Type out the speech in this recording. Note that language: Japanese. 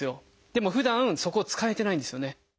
でもふだんそこ使えてないんですよね。